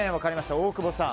大久保さん。